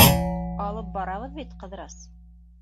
— Алып барабыҙ бит, Ҡыҙырас!